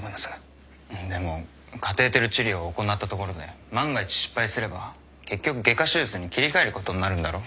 でもカテーテル治療を行ったところで万が一失敗すれば結局外科手術に切り替えることになるんだろ？